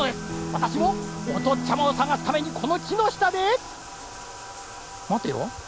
わたしもおとっちゃまをさがすためにこのきのしたでまてよ